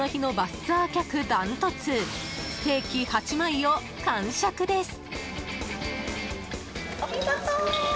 ステーキ８枚を完食です。